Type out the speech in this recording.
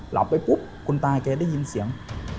หลับไปปุ๊บคุณตาแกได้ยินเสียง